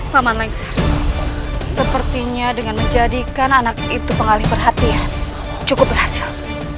paman lengser sepertinya dengan menjadikan anak itu pengalih perhatian cukup berhasil